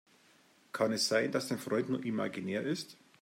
Kann es sein, dass dein Freund nur imaginär ist?